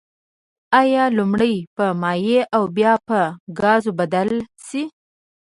آیا لومړی په مایع او بیا به په ګاز بدل شي؟